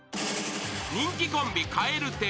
［人気コンビ蛙亭］